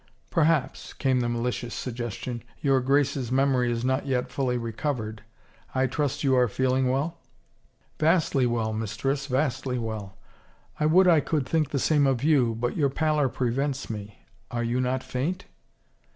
" Perhaps," came the malicious suggestion, " your Grace's memory is not yet fully recovered. I trust you are feeling well ?"" Vastly well, mistress, vastly well. I would I could think the same of you, but your pallor prevents me. Are you not faint?